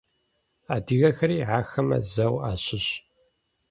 Адыгэхэри ахэмэ зэу ащыщ.